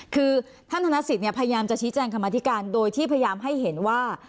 คือท่านธนสิทธิ์พยายามจะชี้แจงคำมาธิการโดยที่พยายามให้เห็นว่า